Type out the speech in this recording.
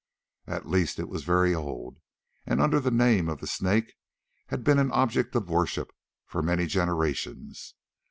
At least it was very old, and under the name of the Snake had been an object of worship for many generations.